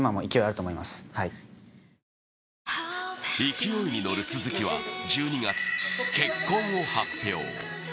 勢いに乗る鈴木は１２月、結婚を発表。